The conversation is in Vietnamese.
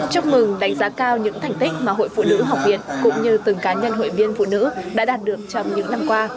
chúc mừng đánh giá cao những thành tích mà hội phụ nữ học viện cũng như từng cá nhân hội viên phụ nữ đã đạt được trong những năm qua